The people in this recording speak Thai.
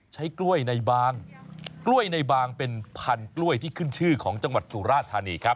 ใช้กล้วยในบางกล้วยในบางเป็นพันกล้วยที่ขึ้นชื่อของจังหวัดสุราธานีครับ